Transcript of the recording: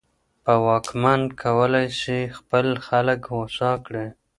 واکمن کولای سي خپل خلګ هوسا کړي.